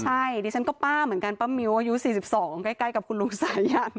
ใช่ดิฉันก็ป้าเหมือนกันป้ามิ้วอายุ๔๒ใกล้กับคุณลุงสายัน